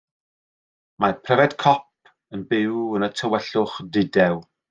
Mae pryfed cop yn byw yn y tywyllwch dudew.